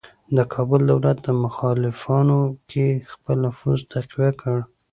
د کابل دولت په مخالفانو کې خپل نفوذ تقویه کړ.